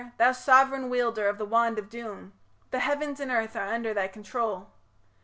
Thou sovran wielder of the wand of Doom, The heavens and earth are under thy control.